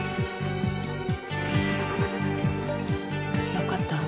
わかった？